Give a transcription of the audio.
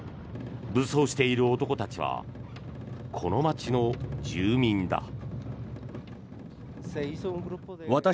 武装している男たちはこの街の住民だ。